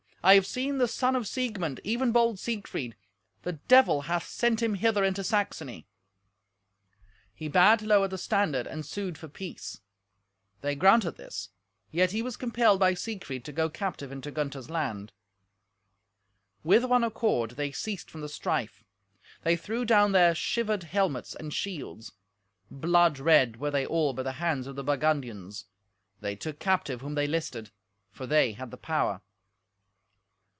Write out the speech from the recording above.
I have seen the son of Siegmund, even bold Siegfried. The Devil hath sent him hither into Saxony." He bade lower the standard, and sued for peace. They granted this, yet he was compelled by Siegfried to go captive into Gunther's land. With one accord they ceased from the strife. They threw down their shivered helmets and shields. Blood red were they all by the hands of the Burgundians. They took captive whom they listed, for they had the power.